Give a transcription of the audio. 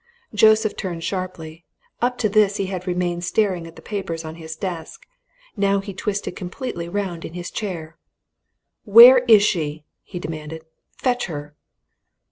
Joseph turned sharply up to this he had remained staring at the papers on his desk; now he twisted completely round in his chair. "Where is she?" he demanded. "Fetch her!"